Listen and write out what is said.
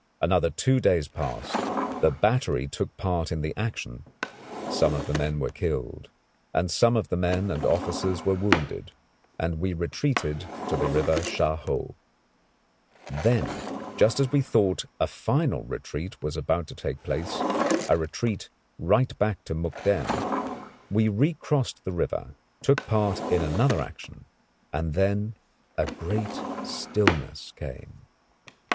Another two days passed; the battery took part in the action, some of the men were killed, and some of the men and the officers were wounded, and we retreated to the River Sha Ho. Then just as we thought a final retreat was about to take place, a retreat right back to Mukden, we recrossed the river, took part in another action, and then a great stillness came.